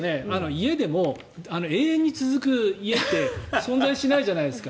家でも永遠に続く家って存在しないじゃないですか。